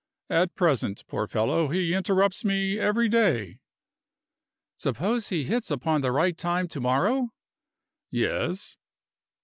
At present, poor fellow, he interrupts me every day." "Suppose he hits upon the right time to morrow?" "Yes?"